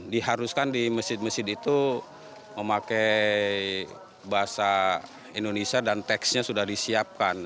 diharuskan di masjid masjid itu memakai bahasa indonesia dan teksnya sudah disiapkan